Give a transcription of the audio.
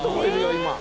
今。